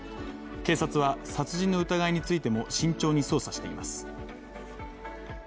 警察は殺人の疑いについても慎重に捜査しています。